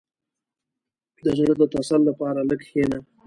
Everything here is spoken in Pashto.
• د زړۀ د تسل لپاره لږ کښېنه.